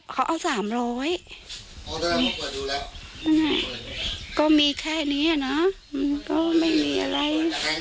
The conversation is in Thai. เขาเอาสามร้อยก็มีแค่เนี้ยนะก็ไม่มีอะไร